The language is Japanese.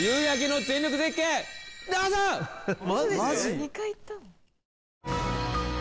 ２回行ったの？